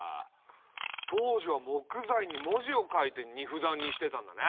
当時は木材に文字を書いて荷札にしてたんだね。